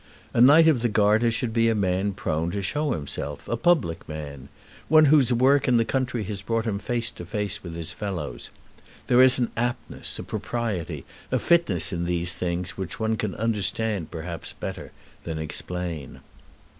A Knight of the Garter should be a man prone to show himself, a public man, one whose work in the country has brought him face to face with his fellows. There is an aptness, a propriety, a fitness in these things which one can understand perhaps better than explain."